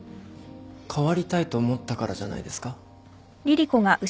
変わりたいと思ったからじゃないですか？